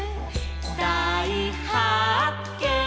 「だいはっけん！」